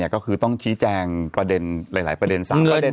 ก็คือต้องชี้แจงประเด็นหลายประเด็น๓ประเด็น